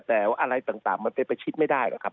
แต่ว่าอะไรต่างมันไปชิดไม่ได้นะครับ